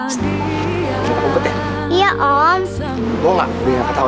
silahkan kamu pergi